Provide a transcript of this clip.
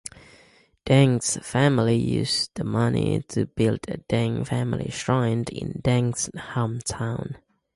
Deng's family used the money to build a Deng Family Shrine in Deng's hometown.